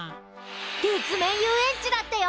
月面遊園地だってよ！